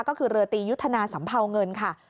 ก็คือเรือตียุทธนาสัมเภาเงินค่ะ